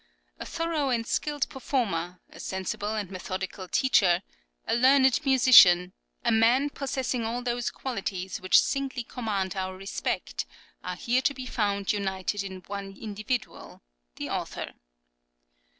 A thorough and skilled performer, a sensible and methodical teacher, a learned musician, a man possessing all those qualities which singly command our respect, are here to be found united in one individual the author.